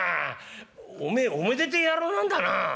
おめえおめでてえ野郎なんだな」。